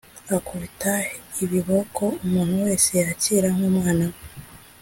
Akubita ibiboko umuntu wese yakira nk umwana we